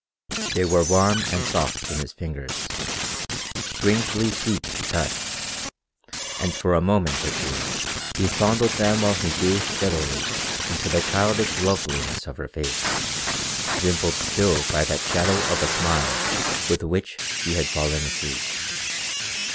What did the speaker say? They were warm and soft in his fingers, strangely sweet to touch, and for a moment or two he fondled them while he gazed steadily into the childish loveliness of her face, dimpled still by that shadow of a smile with which she had fallen asleep.